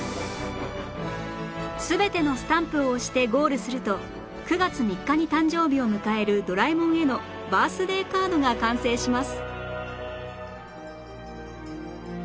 全てのスタンプを押してゴールすると９月３日に誕生日を迎えるドラえもんへのバースデーカードが完成します